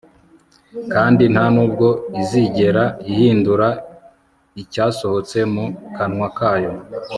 kandi nta nubwo izigera ihindura icyasohotse mu kanwa kayo